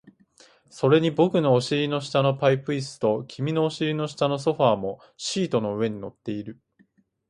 それに僕のお尻の下のパイプ椅子と、君のお尻の下のソファーもシートの上に乗っている